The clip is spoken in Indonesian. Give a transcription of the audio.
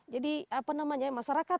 jadi apa namanya masyarakat